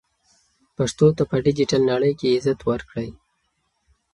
پښتو ته په ډیجیټل نړۍ کې عزت ورکړئ.